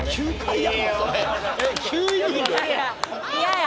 嫌や！